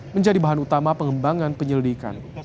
menjadi bahan utama pengembangan penyelidikan